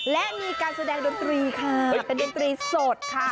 และมีการแสดงดนตรีค่ะเป็นดนตรีสดค่ะ